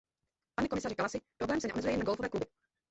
Pane komisaři Kallasi, problém se neomezuje jen na golfové kluby.